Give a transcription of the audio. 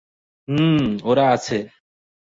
হুম, ওরা আছে।